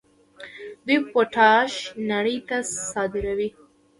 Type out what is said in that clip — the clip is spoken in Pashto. دوی پوټاش نړۍ ته صادروي.